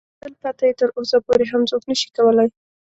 د قاتل پته یې تر اوسه پورې هم څوک نه شي کولای.